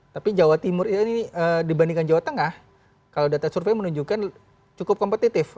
tapi jawa timur ini dibandingkan jawa tengah kalau data survei menunjukkan cukup kompetitif